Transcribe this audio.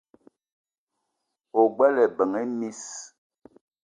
O gbele ebeng e miss :